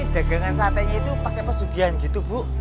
degangan sate nya itu pake pesugihan gitu bu